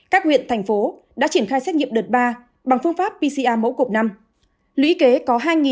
các huyện thành phố đã triển khai xét nghiệm đợt ba bằng phương pháp pcr mẫu cộng năm